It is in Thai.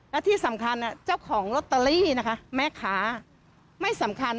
และที่สำคัญเจ้าของลอตเตอรี่นะคะแม่ค้าไม่สำคัญ